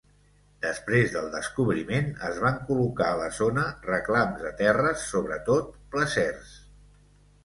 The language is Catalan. Després del descobriment, es van col·locar a la zona reclams de terres, sobretot placers.